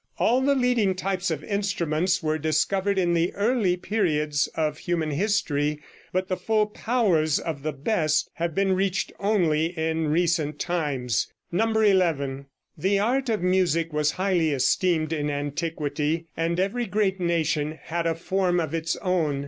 All the leading types of instruments were discovered in the early periods of human history, but the full powers of the best have been reached only in recent times. 11. The art of music was highly esteemed in antiquity, and every great nation had a form of its own.